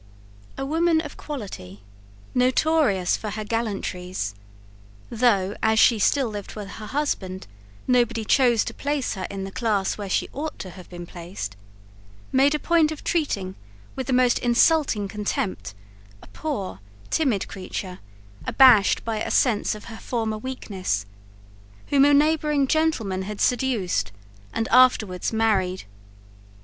A woman of quality, notorious for her gallantries, though as she still lived with her husband, nobody chose to place her in the class where she ought to have been placed, made a point of treating with the most insulting contempt a poor timid creature, abashed by a sense of her former weakness, whom a neighbouring gentleman had seduced and afterwards married.